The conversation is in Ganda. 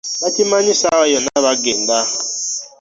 Bakimanyi ssaawa yonna bagenda.